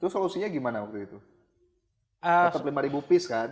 terus solusinya gimana waktu itu